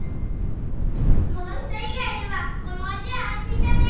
この２人がいればこの町はあん心だね！